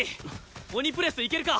鬼プレスいけるか？